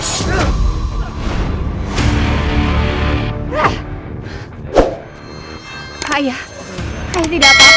saya tidak apa apa